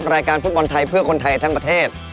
รายการฟุตบอลไทยเพื่อคนไทยทั้งประเทศ